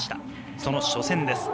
その初戦です。